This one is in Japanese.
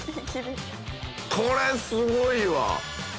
これすごいわ。